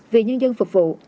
vì nhân dân phục vụ